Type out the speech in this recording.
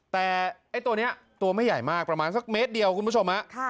แต่ไอ้ตัวนี้ตัวไม่ใหญ่มากประมาณสักเมตรเดียวคุณผู้ชมฮะ